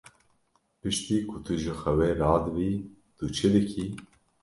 Piştî ku tu ji xewê radibî, tu çi dikî?